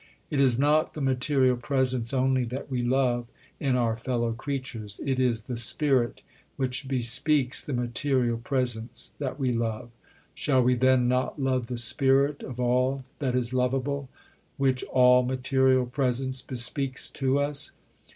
It is not the material presence only that we love in our fellow creatures. It is the spirit, which bespeaks the material presence, that we love. Shall we then not love the spirit of all that is loveable, which all material presence bespeaks to us?...